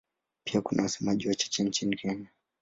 Pia kuna wasemaji wachache nchini Kenya.